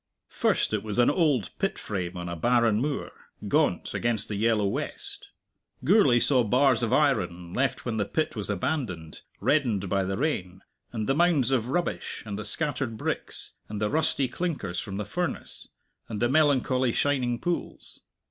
First it was an old pit frame on a barren moor, gaunt, against the yellow west. Gourlay saw bars of iron, left when the pit was abandoned, reddened by the rain; and the mounds of rubbish, and the scattered bricks, and the rusty clinkers from the furnace, and the melancholy shining pools.